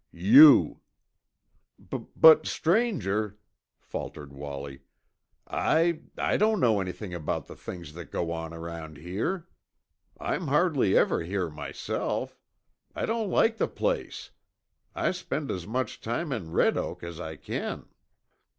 "You!" "B but, stranger," faltered Wallie, "I I don't know anything about the things that go on around here. I'm hardly ever here myself. I don't like the place. I spend as much time in Red Oak as I can."